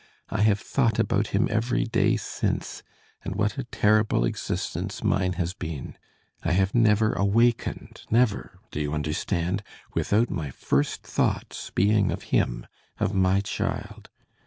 I have thought about him every day since, and what a terrible existence mine has been! I have never awakened, never, do you understand, without my first thoughts being of him, of my child.